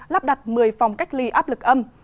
lắp đặt một mươi phòng cách ly áp lực âm